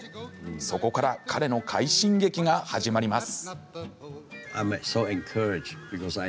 そこから彼の快進撃が始まります。